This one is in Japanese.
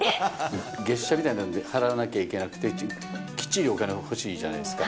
月謝みたいなので払わなきゃいけなくて、きっちりお金が欲しいじゃないですか。